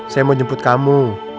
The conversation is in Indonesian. saya mau jemput kamu